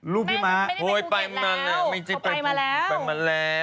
รูปพี่มาโอ้ยไปมาแล้วไปมาแล้ว